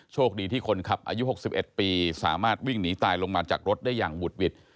โชคดีที่คนขับอายุ๖๑ปีสามารถวิ่งหนีตายลงมาจากรถได้อย่างบุดหวิด